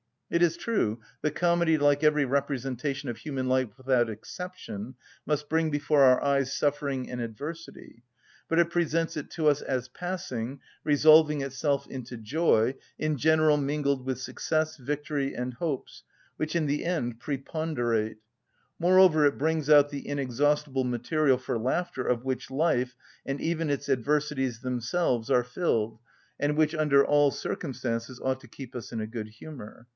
It is true the comedy, like every representation of human life, without exception, must bring before our eyes suffering and adversity; but it presents it to us as passing, resolving itself into joy, in general mingled with success, victory, and hopes, which in the end preponderate; moreover, it brings out the inexhaustible material for laughter of which life, and even its adversities themselves are filled, and which under all circumstances ought to keep us in a good humour.